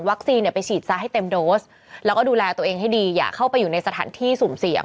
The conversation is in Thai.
ไปฉีดซะให้เต็มโดสแล้วก็ดูแลตัวเองให้ดีอย่าเข้าไปอยู่ในสถานที่สุ่มเสี่ยง